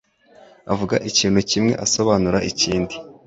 Avuga ikintu kimwe asobanura ikindi.